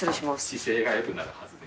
姿勢が良くなるはずです。